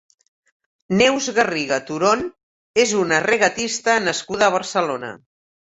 Neus Garriga Turón és una regatista nascuda a Barcelona.